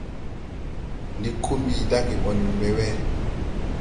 Ndi ko mbi dage ɓɔn ɓɛ we.